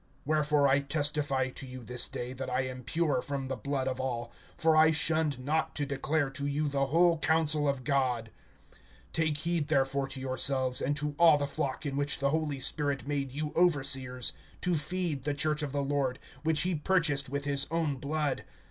(26)Wherefore I testify to you this day, that I am pure from the blood of all; (27)for I shunned not to declare to you the whole counsel of God. (28)Take heed therefore to yourselves, and to all the flock, in which the Holy Spirit made you overseers, to feed the church of the Lord[20:28], which he purchased with his own blood.